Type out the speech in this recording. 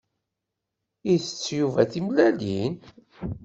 Isett Yuba timellalin?